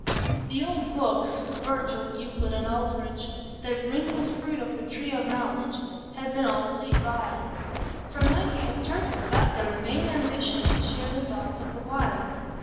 The old books, Virgil, Euclid, and Aldrich—that wrinkled fruit of the tree of knowledge—had been all laid by; for Maggie had turned her back on the vain ambition to share the thoughts of the wise.